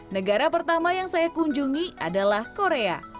negara pertama yang saya kunjungi adalah korea